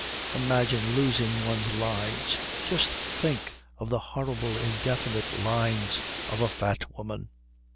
Imagine losing one's lines. Just think of the horrible indefinite lines of a fat woman."